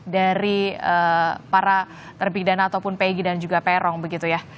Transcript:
dari para terpidana ataupun pegi dan juga peron begitu ya